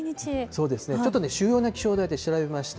そうですね、ちょっと主要な気象台で調べました。